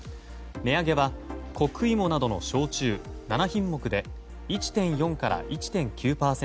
値上げはこくいもなどの焼酎７品目で１．４から１．９％。